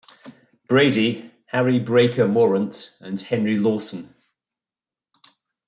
Brady, Harry Breaker Morant and Henry Lawson.